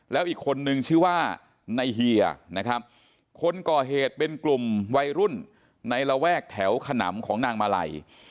แล้วอีกคนนึงชื่อว่าในเฮียนะครับคนก่อเหตุเป็นกลุ่มวัยรุ่นในระแวกแถวขนำของนางมาลัย